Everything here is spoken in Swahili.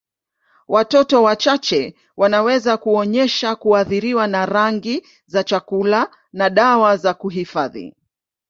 Watoto wachache wanaweza kuonyesha kuathiriwa na rangi za chakula na dawa za kuhifadhi.